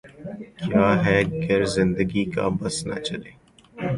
کیا ہے گر زندگی کا بس نہ چلا